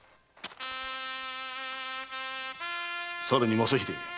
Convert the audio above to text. さらに正秀。